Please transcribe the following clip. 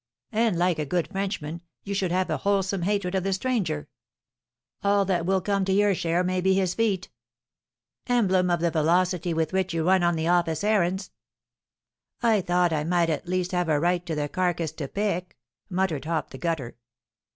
"And, like a good Frenchman, you should have a wholesome hatred of the stranger." "All that will come to your share may be his feet." "Emblem of the velocity with which you run on the office errands." "I thought I might at least have a right to the carcass to pick!" muttered Hop the Gutter.